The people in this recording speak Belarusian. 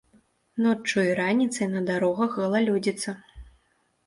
Ноччу і раніцай на дарогах галалёдзіца.